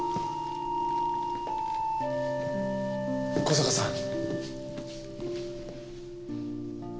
小坂さん。